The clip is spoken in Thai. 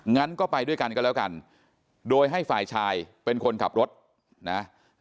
งั้นก็ไปด้วยกันก็แล้วกันโดยให้ฝ่ายชายเป็นคนขับรถนะ